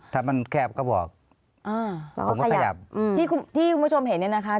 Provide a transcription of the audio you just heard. ถ้ามันแคบก็บอกเราก็ขยับที่คุณผู้ชมเห็นเนี่ยนะคะ